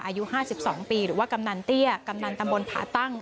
อายุ๕๒ปีหรือว่ากำนันเตี้ยกำนันตำบลผาตั้ง